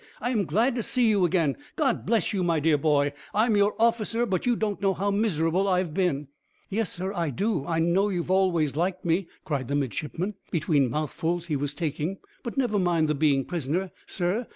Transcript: I am glad to see you again. God bless you, my dear boy! I'm your officer, but you don't know how miserable I've been." "Yes, I do, sir. I know you always liked me," cried the midshipman, between the mouthfuls he was taking. "But never mind the being prisoner, sir.